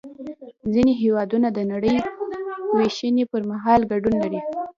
ځینې هېوادونه د نړۍ وېشنې پر مهال ګډون نلري